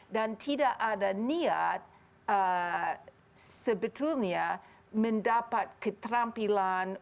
dan tidak ada niat sebetulnya mendapat keterampilan